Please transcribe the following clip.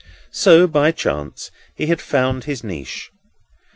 So, by chance, he had found his niche.